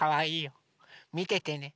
みててね。